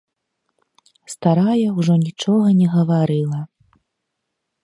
Старая ўжо нічога не гаварыла.